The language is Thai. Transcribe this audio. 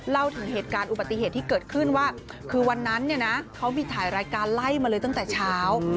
เล่าถึงเหตุการณ์อุบัติเหตุที่เกิดขึ้นว่าคือวันนั้นเนี่ยนะเขามีถ่ายรายการไล่มาเลยตั้งแต่เช้า